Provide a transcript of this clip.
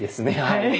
はい。